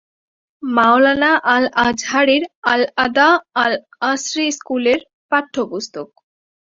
মওলানা আল-আযহারীর আল-আদা-আল-আসরী স্কুলের পাঠ্যপুস্তক।